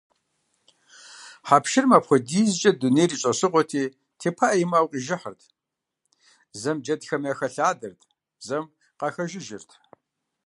Хьэпшырым апхуэдизкӏэ дунейр и щӏэщыгъуэти, тепыӏэ имыӏэу къижыхьырт, зэм джэдхэм яхэлъадэрт, зэм къахэжыжырт.